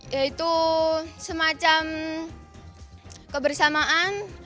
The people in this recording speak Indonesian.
yaitu semacam kebersamaan